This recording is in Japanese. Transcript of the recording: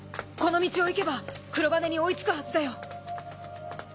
この道を行けばクロバネに追いつくはずだよ。